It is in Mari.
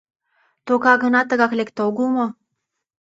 Тока гына тыгак лекте огыл мо?